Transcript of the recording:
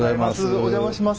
お邪魔します。